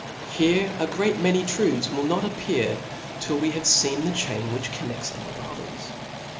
Here d great many truths will not appear, till w6 have fccn the chain which connects thi*m with others.